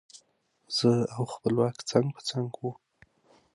زه او خپلواک څنګ په څنګ وو.